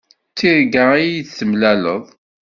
Di tirga ad yi-d-temlaleḍ.